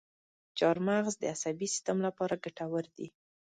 چارمغز د عصبي سیستم لپاره ګټور دی.